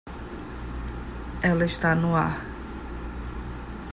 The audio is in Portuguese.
Ela está no ar.